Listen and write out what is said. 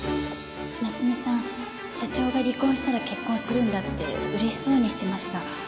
夏美さん社長が離婚したら結婚するんだって嬉しそうにしてました。